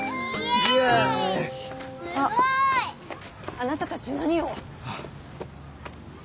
あなたたち何を？